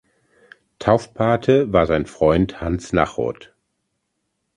Taufpate war sein Freund Hans Nachod.